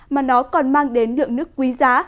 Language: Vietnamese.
mà nó còn mang đến lượng nước quý giá